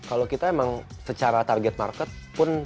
kalau kita emang secara target market pun